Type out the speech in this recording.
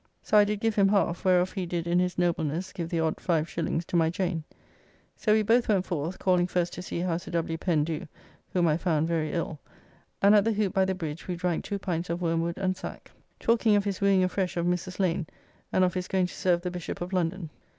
So I did give him half, whereof he did in his nobleness give the odd 5s, to my Jane. So we both went forth (calling first to see how Sir W. Pen do, whom I found very ill), and at the Hoop by the bridge we drank two pints of wormwood and sack. Talking of his wooing afresh of Mrs. Lane, and of his going to serve the Bishop of London.